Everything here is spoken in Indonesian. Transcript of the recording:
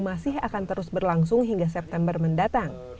masih akan terus berlangsung hingga september mendatang